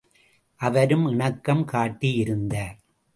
அவரும் இணக்கம் காட்டியிருந்தார்.